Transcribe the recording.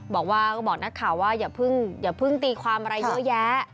บอกว่าก็บอกนักข่าวว่าอย่าเพิ่งตีความอะไรเยอะแยะ